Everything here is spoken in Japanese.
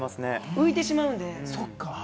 浮いてしまうので。